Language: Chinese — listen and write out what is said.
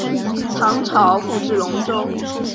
唐朝复置龙州。